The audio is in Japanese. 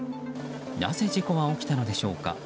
なぜ事故は起きたのでしょうか。